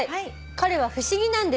「彼は不思議なんです。